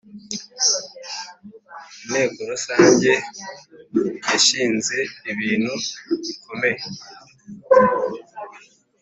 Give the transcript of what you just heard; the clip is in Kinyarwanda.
Inteko Rusange yashinze ibintu bikomeye.